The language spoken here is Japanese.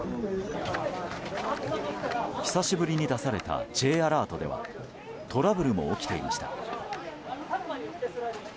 久しぶりに出されたＪアラートではトラブルも起きていました。